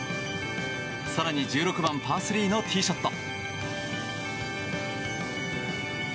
更に１６番、パー３のティーショット。